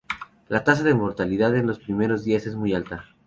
La tasa de mortalidad en los primeros días es muy alta.